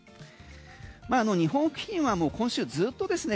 あの日本付近はもう今週ずっとですね